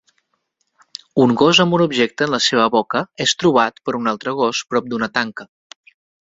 Un gos amb un objecte en la seva boca és trobat per un altre gos prop d'una tanca